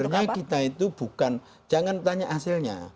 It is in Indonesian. karena kita itu bukan jangan tanya hasilnya